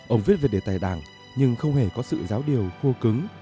ông viết về đề tài đảng nhưng không hề có sự giáo điều khô cứng